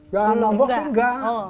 ya nombok sih enggak